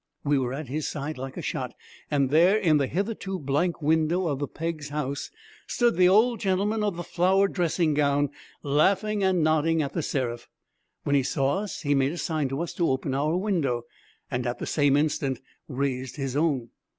We were at his side like a shot, and there, in the hitherto blank window of the Peggs' house, stood the old gentleman of the flowered dressing gown, laughing and nodding at The Seraph. When he saw us he made a sign to us to open our window, and at the same instant raised his own.